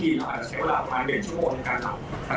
ที่กินอย่างอาจใช้เวลาประมาณเด็กชั่วโมงในการหลับ